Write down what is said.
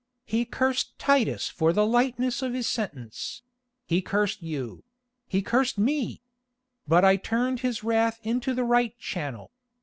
He cursed Titus for the lightness of his sentence; he cursed you; he cursed me. But I turned his wrath into the right channel.